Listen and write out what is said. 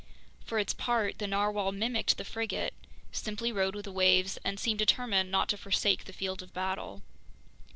For its part, the narwhale mimicked the frigate, simply rode with the waves, and seemed determined not to forsake the field of battle.